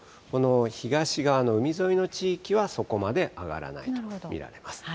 東側の海沿いの地域はそこまで上がらないと見られます。